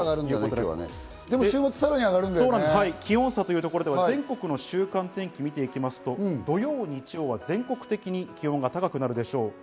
でも週末、さらに上がるんだ気温差というところでは全国の週間天気を見ていくと土曜、日曜は全国的に気温が高くなるでしょう。